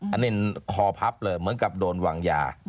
อันนี้คอพับเลยเหมือนกับโดนวางยา